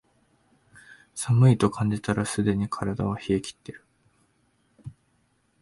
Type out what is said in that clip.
寒いと感じたらすでに体は冷えきってる